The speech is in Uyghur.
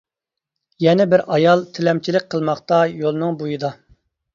يەنە بىر ئايال تىلەمچىلىك قىلماقتا يولنىڭ بۇيىدا.